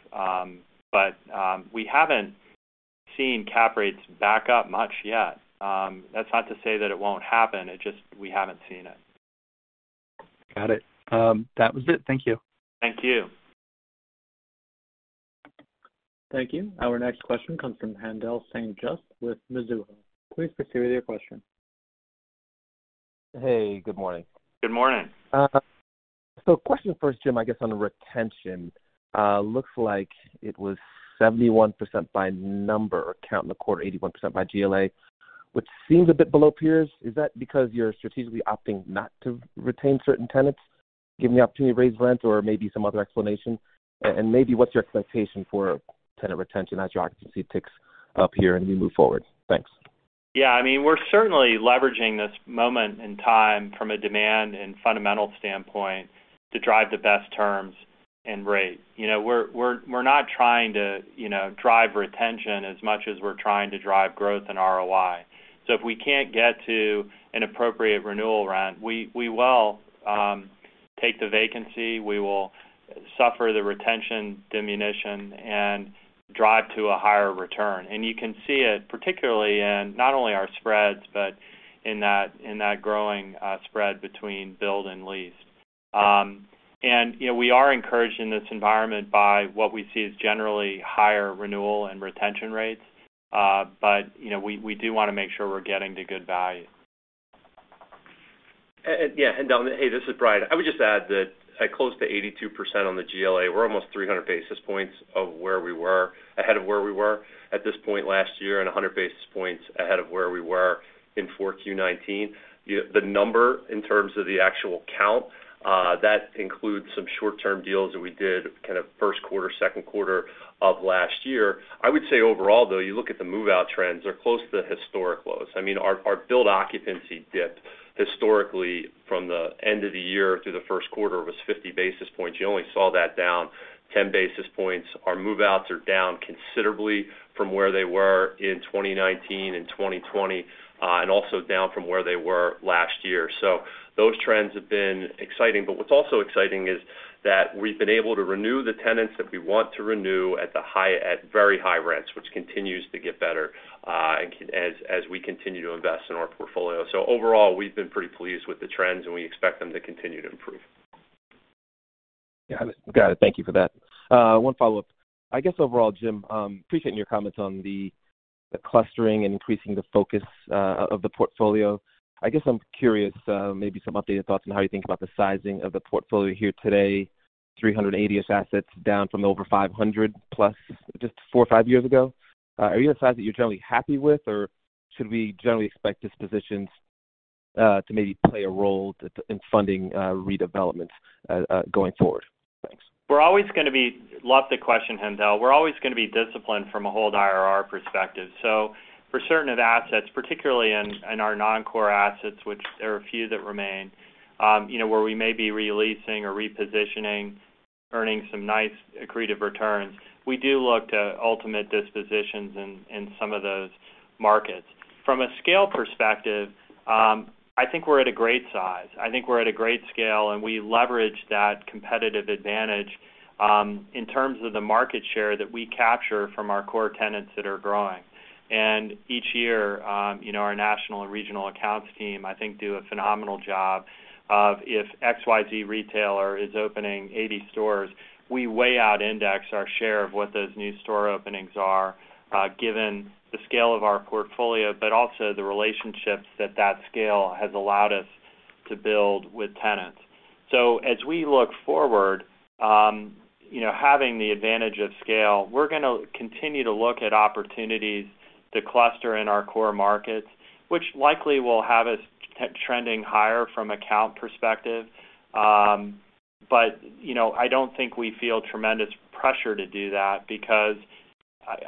But we haven't seen cap rates back up much yet. That's not to say that it won't happen. It just. We haven't seen it. Got it. That was it. Thank you. Thank you. Thank you. Our next question comes from Haendel St. Juste with Mizuho. Please proceed with your question. Hey, good morning. Good morning. Question first, Jim, I guess on retention. Looks like it was 71% by number count in the quarter, 81% by GLA, which seems a bit below peers. Is that because you're strategically opting not to retain certain tenants, giving the opportunity to raise rents or maybe some other explanation? And maybe what's your expectation for tenant retention as your occupancy ticks up here and you move forward? Thanks. Yeah. I mean, we're certainly leveraging this moment in time from a demand and fundamental standpoint to drive the best terms and rates. You know, we're not trying to, you know, drive retention as much as we're trying to drive growth in ROI. So if we can't get to an appropriate renewal rent, we will take the vacancy, we will suffer the retention diminution and drive to a higher return. You can see it particularly in not only our spreads, but in that growing spread between billed and leased. You know, we are encouraged in this environment by what we see as generally higher renewal and retention rates. You know, we do wanna make sure we're getting to good value. Yeah, Haendel, hey, this is Brian. I would just add that at close to 82% on the GLA, we're almost 300 basis points ahead of where we were at this point last year and 100 basis points ahead of where we were in 4Q 2019. The number in terms of the actual count, that includes some short-term deals that we did kind of first quarter, second quarter of last year. I would say overall, though, you look at the move-out trends, they're close to the historic lows. I mean, our billed occupancy dipped historically from the end of the year through the first quarter was 50 basis points. You only saw that down 10 basis points. Our move-outs are down considerably from where they were in 2019 and 2020, and also down from where they were last year. Those trends have been exciting. What's also exciting is that we've been able to renew the tenants that we want to renew at very high rents, which continues to get better, and as we continue to invest in our portfolio. Overall, we've been pretty pleased with the trends, and we expect them to continue to improve. Yeah. Got it. Thank you for that. One follow-up. I guess overall, Jim, appreciating your comments on the clustering and increasing the focus of the portfolio. I guess I'm curious, maybe some updated thoughts on how you think about the sizing of the portfolio here today, 380-ish assets down from over 500+ just four or five years ago. Are you at a size that you're generally happy with, or should we generally expect dispositions- To maybe play a role in funding redevelopments going forward. Thanks. Love the question, Haendel. We're always gonna be disciplined from a hold IRR perspective. For certain of the assets, particularly in our non-core assets, which there are a few that remain, you know, where we may be re-leasing or repositioning, earning some nice accretive returns, we do look to ultimate dispositions in some of those markets. From a scale perspective, I think we're at a great size. I think we're at a great scale, and we leverage that competitive advantage in terms of the market share that we capture from our core tenants that are growing. Each year, you know, our national and regional accounts team, I think, do a phenomenal job of, if XYZ retailer is opening 80 stores, we way out index our share of what those new store openings are, given the scale of our portfolio, but also the relationships that that scale has allowed us to build with tenants. As we look forward, you know, having the advantage of scale, we're gonna continue to look at opportunities to cluster in our core markets, which likely will have us trending higher from a count perspective. But, you know, I don't think we feel tremendous pressure to do that because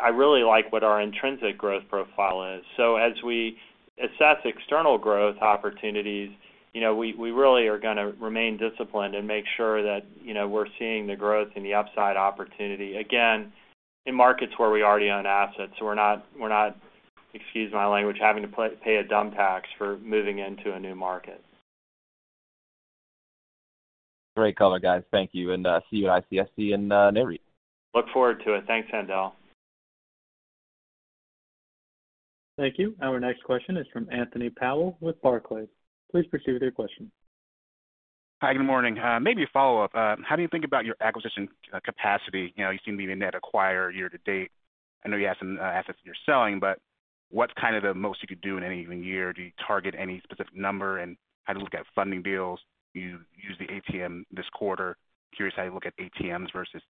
I really like what our intrinsic growth profile is. As we assess external growth opportunities, you know, we really are gonna remain disciplined and make sure that, you know, we're seeing the growth and the upside opportunity, again, in markets where we already own assets. We're not, excuse my language, having to pay a dumb tax for moving into a new market. Great color, guys. Thank you, and see you at ICSC in L.A. Look forward to it. Thanks, Haendel. Thank you. Our next question is from Anthony Powell with Barclays. Please proceed with your question. Hi, good morning. Maybe a follow-up. How do you think about your acquisition capacity? You know, you seem to be a net acquirer year to date. I know you have some assets that you're selling, but what's kind of the most you could do in any given year? Do you target any specific number? How do you look at funding deals? Do you use the ATM this quarter? Curious how you look at ATMs versus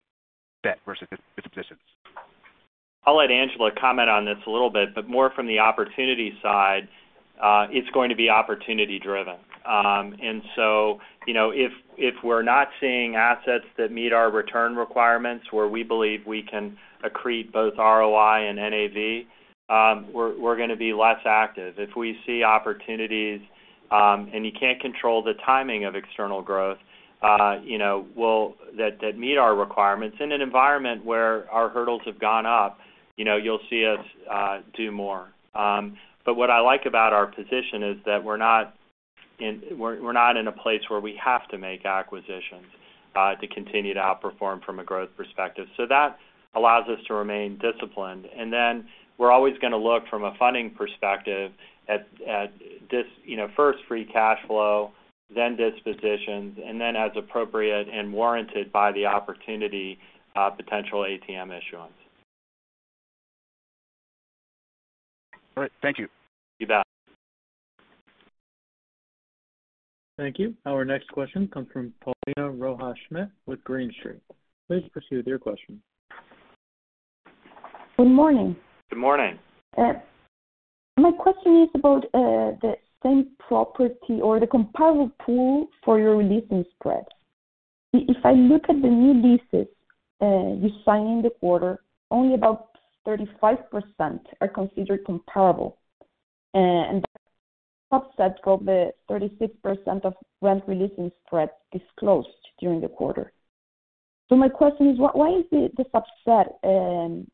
debt versus dispositions. I'll let Angela comment on this a little bit, but more from the opportunity side, it's going to be opportunity-driven. You know, if we're not seeing assets that meet our return requirements where we believe we can accrete both ROI and NAV, we're gonna be less active. If we see opportunities, and you can't control the timing of external growth, you know, that meet our requirements in an environment where our hurdles have gone up, you know, you'll see us do more. What I like about our position is that we're not in a place where we have to make acquisitions to continue to outperform from a growth perspective. That allows us to remain disciplined. We're always gonna look from a funding perspective, you know, first free cash flow, then dispositions, and then as appropriate and warranted by the opportunity, potential ATM issuance. All right. Thank you. You bet. Thank you. Our next question comes from Paulina Rojas Schmidt with Green Street. Please proceed with your question. Good morning. Good morning. My question is about the same-property or the comparable pool for your re-leasing spreads. If I look at the new leases you signed in the quarter, only about 35% are considered comparable. The subset of the 36% of rent re-leasing spreads disclosed during the quarter. My question is, why is the subset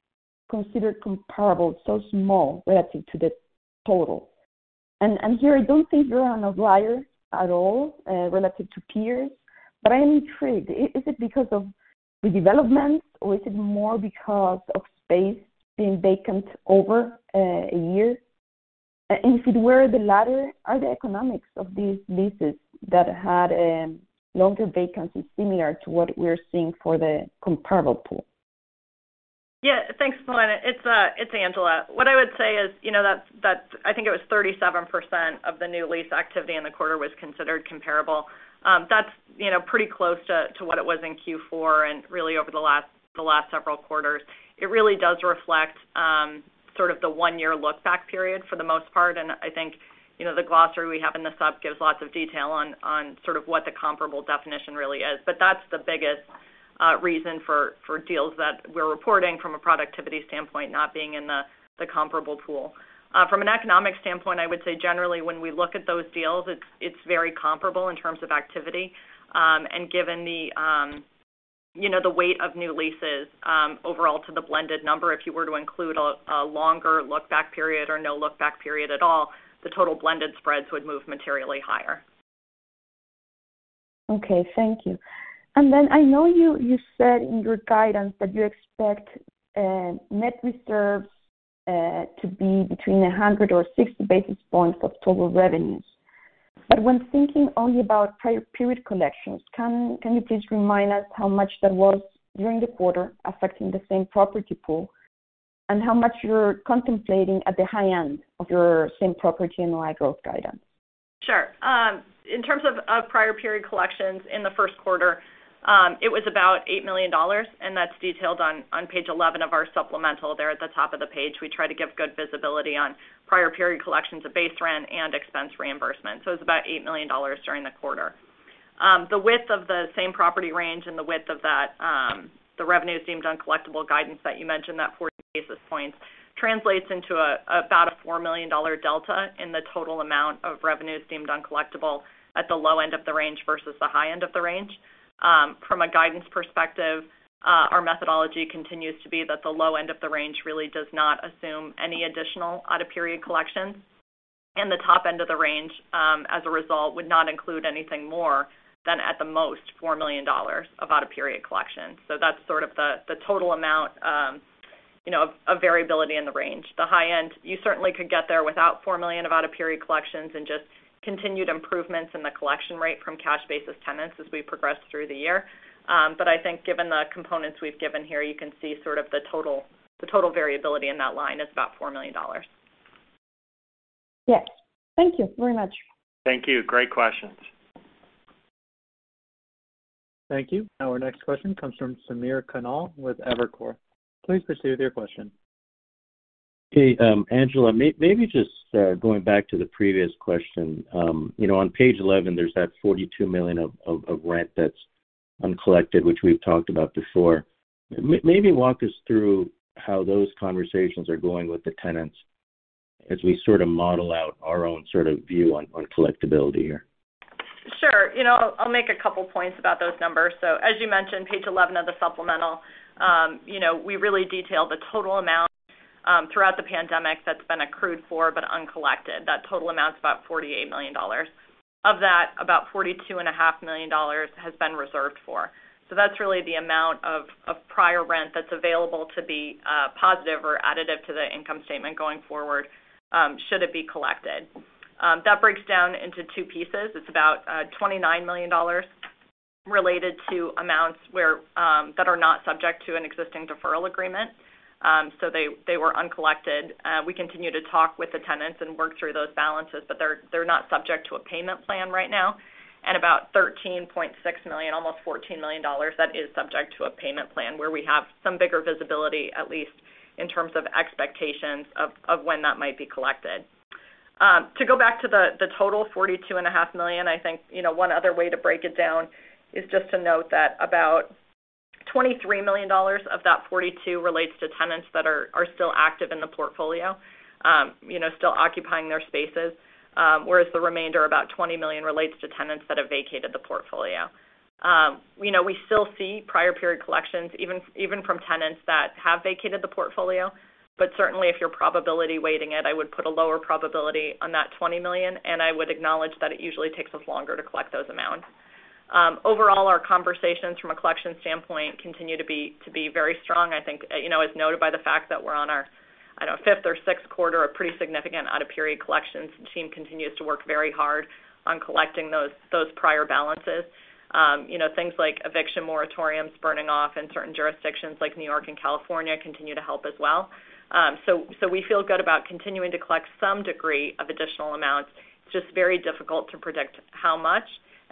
considered comparable so small relative to the total? Here, I don't think you're an outlier at all relative to peers, but I am intrigued. Is it because of redevelopments, or is it more because of space being vacant over a year? If it were the latter, are the economics of these leases that had longer vacancy similar to what we're seeing for the comparable pool? Yeah. Thanks, Paulina. It's Angela. What I would say is, you know, I think it was 37% of the new lease activity in the quarter was considered comparable. That's, you know, pretty close to what it was in Q4 and really over the last several quarters. It really does reflect sort of the one-year look-back period for the most part. I think, you know, the glossary we have in the sup gives lots of detail on sort of what the comparable definition really is. That's the biggest reason for deals that we're reporting from a productivity standpoint not being in the comparable pool. From an economic standpoint, I would say generally when we look at those deals, it's very comparable in terms of activity. Given the, you know, the weight of new leases overall to the blended number, if you were to include a longer look-back period or no look-back period at all, the total blended spreads would move materially higher. Okay. Thank you. I know you said in your guidance that you expect net reserves to be between 100 or 60 basis points of total revenues. When thinking only about prior period collections, can you please remind us how much that was during the quarter affecting the same-property pool and how much you're contemplating at the high end of your same-property NOI growth guidance? Sure. In terms of prior period collections in the first quarter, it was about $8 million, and that's detailed on page 11 of our supplemental there at the top of the page. We try to give good visibility on prior period collections of base rent and expense reimbursement. It's about $8 million during the quarter. The width of the same-property range and the width of that, the revenue deemed uncollectible guidance that you mentioned, that 40 basis points translates into about a $4 million delta in the total amount of revenues deemed uncollectible at the low end of the range versus the high end of the range. From a guidance perspective, our methodology continues to be that the low end of the range really does not assume any additional out-of-period collections. The top end of the range, as a result, would not include anything more than, at the most, $4 million of out-of-period collection. That's sort of the total amount of variability in the range. The high end, you certainly could get there without $4 million of out-of-period collections and just continued improvements in the collection rate from cash business tenants as we progress through the year. But I think given the components we've given here, you can see sort of the total variability in that line is about $4 million. Yes. Thank you very much. Thank you. Great questions. Thank you. Our next question comes from Samir Khanal with Evercore. Please proceed with your question. Hey, Angela, maybe just going back to the previous question. You know, on page 11, there's that $42 million of rent that's uncollected, which we've talked about before. Maybe walk us through how those conversations are going with the tenants as we sort of model out our own sort of view on collectibility here. Sure. You know, I'll make a couple points about those numbers. As you mentioned, page 11 of the supplemental, you know, we really detail the total amount throughout the pandemic that's been accrued for but uncollected. That total amount's about $48 million. Of that, about $42.5 million has been reserved for. That's really the amount of prior rent that's available to be positive or additive to the income statement going forward, should it be collected. That breaks down into two pieces. It's about $29 million related to amounts that are not subject to an existing deferral agreement, so they were uncollected. We continue to talk with the tenants and work through those balances, but they're not subject to a payment plan right now. About $13.6 million, almost $14 million that is subject to a payment plan where we have some bigger visibility, at least in terms of expectations of when that might be collected. To go back to the total $42.5 million, I think, you know, one other way to break it down is just to note that about $23 million of that $42 relates to tenants that are still active in the portfolio, you know, still occupying their spaces, whereas the remainder, about $20 million, relates to tenants that have vacated the portfolio. You know, we still see prior period collections even from tenants that have vacated the portfolio. Certainly if you're probability weighting it, I would put a lower probability on that $20 million, and I would acknowledge that it usually takes us longer to collect those amounts. Overall, our conversations from a collection standpoint continue to be very strong, I think, you know, as noted by the fact that we're on our, I don't know, fifth or sixth quarter of pretty significant out-of-period collections. The team continues to work very hard on collecting those prior balances. You know, things like eviction moratoriums burning off in certain jurisdictions like New York and California continue to help as well. So we feel good about continuing to collect some degree of additional amounts. It's just very difficult to predict how much,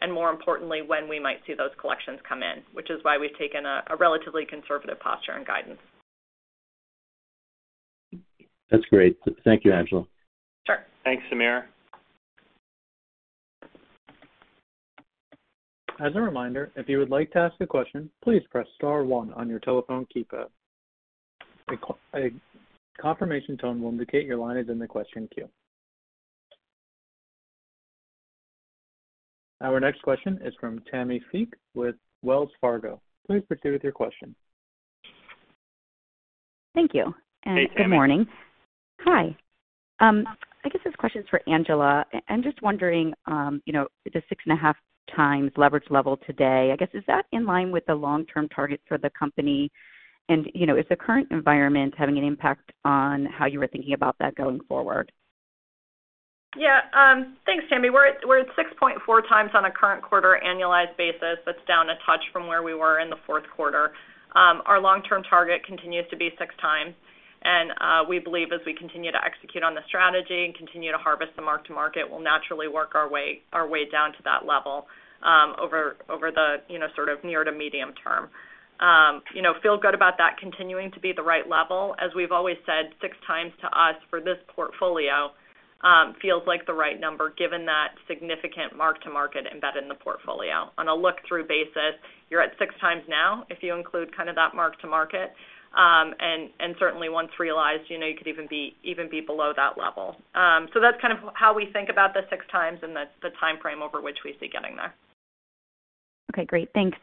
and more importantly, when we might see those collections come in, which is why we've taken a relatively conservative posture and guidance. That's great. Thank you, Angela. Sure. Thanks, Samir. As a reminder, if you would like to ask a question, please press star one on your telephone keypad. A confirmation tone will indicate your line is in the question queue. Our next question is from Tammi Fique with Wells Fargo. Please proceed with your question. Thank you. Hey, Tammi. Good morning. Hi. I guess this question is for Angela. I'm just wondering, you know, the 6.5x leverage level today, I guess, is that in line with the long-term targets for the company? You know, is the current environment having an impact on how you were thinking about that going forward? Yeah. Thanks, Tammi. We're at 6.4x on a current quarter annualized basis. That's down a touch from where we were in the fourth quarter. Our long-term target continues to be 6x. We believe as we continue to execute on the strategy and continue to harvest the mark-to-market, we'll naturally work our way down to that level, over the, you know, sort of near to medium term. You know, feel good about that continuing to be the right level. As we've always said, 6x to us for this portfolio, feels like the right number given that significant mark-to-market embedded in the portfolio. On a look-through basis, you're at 6x now, if you include kind of that mark-to-market. Certainly once realized, you know, you could even be below that level. That's kind of how we think about the 6x and the timeframe over which we see getting there. Okay, great. Thanks.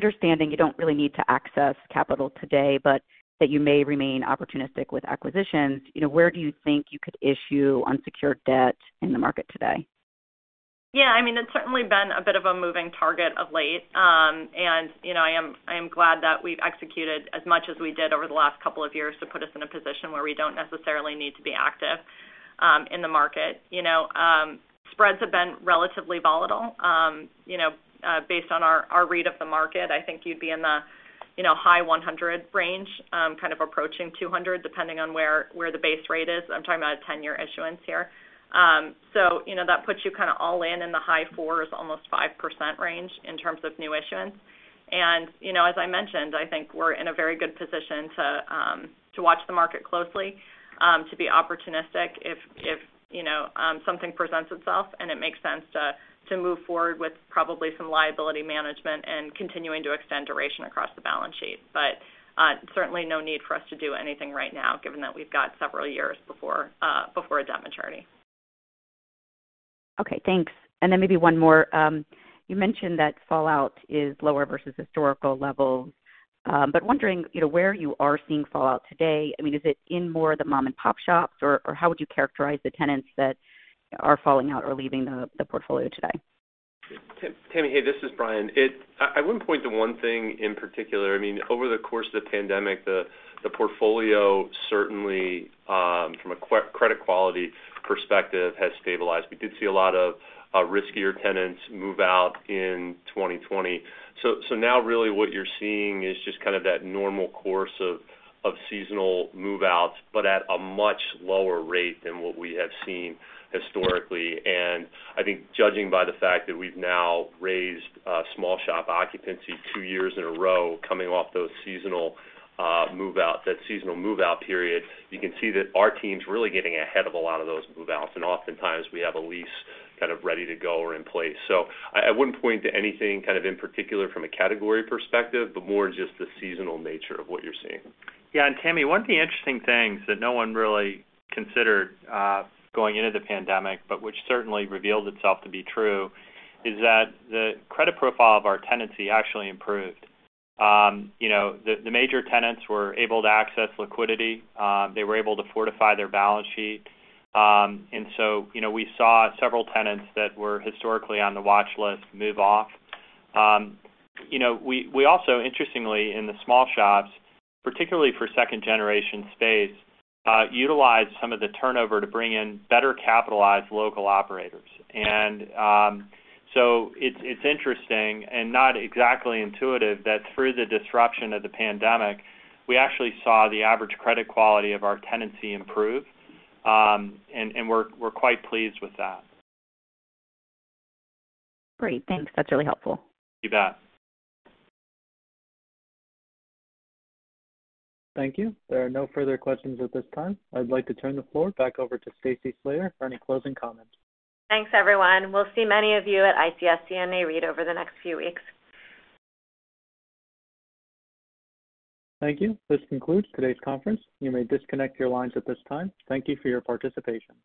Understanding you don't really need to access capital today, but that you may remain opportunistic with acquisitions, you know, where do you think you could issue unsecured debt in the market today? Yeah, I mean, it's certainly been a bit of a moving target of late. You know, I am glad that we've executed as much as we did over the last couple of years to put us in a position where we don't necessarily need to be active in the market. You know, spreads have been relatively volatile. Based on our read of the market, I think you'd be in the, you know, high 100 range, kind of approaching 200, depending on where the base rate is. I'm talking about a 10-year issuance here. You know, that puts you kind of all in in the high-4s, almost 5% range in terms of new issuance. You know, as I mentioned, I think we're in a very good position to watch the market closely, to be opportunistic if you know, something presents itself and it makes sense to move forward with probably some liability management and continuing to extend duration across the balance sheet. Certainly no need for us to do anything right now, given that we've got several years before a debt maturity. Okay, thanks. Maybe one more. You mentioned that fallout is lower versus historical levels. Wondering, you know, where you are seeing fallout today. I mean, is it in more the mom-and-pop shops, or how would you characterize the tenants that are falling out or leaving the portfolio today? Tammi, hey, this is Brian. I wouldn't point to one thing in particular. I mean, over the course of the pandemic, the portfolio certainly from a credit quality perspective has stabilized. We did see a lot of riskier tenants move out in 2020. So now really what you're seeing is just kind of that normal course of seasonal move-outs, but at a much lower rate than what we have seen historically. I think judging by the fact that we've now raised small shop occupancy two years in a row coming off those seasonal move-out, that seasonal move-out period, you can see that our team's really getting ahead of a lot of those move-outs, and oftentimes we have a lease kind of ready to go or in place. I wouldn't point to anything kind of in particular from a category perspective, but more just the seasonal nature of what you're seeing. Yeah. Tammi, one of the interesting things that no one really considered going into the pandemic, but which certainly revealed itself to be true, is that the credit profile of our tenancy actually improved. You know, the major tenants were able to access liquidity. They were able to fortify their balance sheet. You know, we saw several tenants that were historically on the watch list move off. You know, we also interestingly in the small shops, particularly for 2nd generation space, utilized some of the turnover to bring in better capitalized local operators. It's interesting and not exactly intuitive that through the disruption of the pandemic, we actually saw the average credit quality of our tenancy improve. We're quite pleased with that. Great. Thanks. That's really helpful. You bet. Thank you. There are no further questions at this time. I'd like to turn the floor back over to Stacy Slater for any closing comments. Thanks, everyone. We'll see many of you at ICSC RECon over the next few weeks. Thank you. This concludes today's conference. You may disconnect your lines at this time. Thank you for your participation.